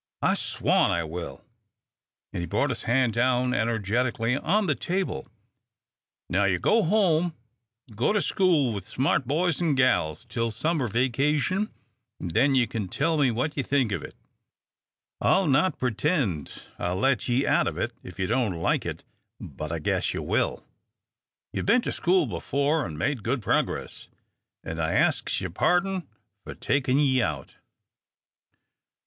I swan I will," and he brought his hand down energetically on the table. "Now you go home an' go to school with smart boys an' gals till summer vacation, then ye can tell me what ye think of it. I'll not pretend I'll let ye out of it if ye don't like it, but I guess ye will. Ye've bin to school before an' made good progress, an' I asks yer pardon for takin' ye out."